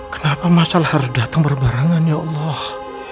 kenapa masalah harus datang berbarengan ya allah